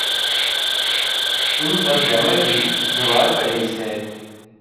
ان کا گلیمر بھی زوال پذیر ہے۔